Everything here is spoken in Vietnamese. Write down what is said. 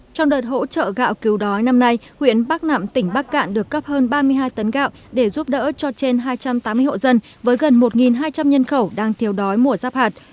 trong đợt hỗ trợ gạo cứu đói năm nay huyện bắc nạm tỉnh bắc cạn được cấp hơn ba mươi hai tấn gạo để giúp đỡ cho trên hai trăm tám mươi hộ dân với gần một hai trăm linh nhân khẩu đang thiếu đói mùa giáp hạt